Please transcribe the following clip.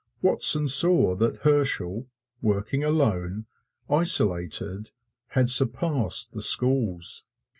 Watson saw that Herschel, working alone, isolated, had surpassed the schools.